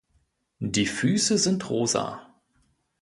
Die Füße sind rosa.